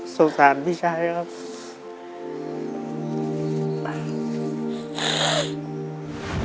สงสารพี่ชายครับ